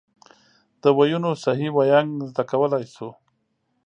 د ویونو صحیح وینګ زده کولای شو.